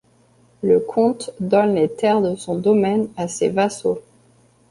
Le comte donne les terres de son domaine à ses vassaux.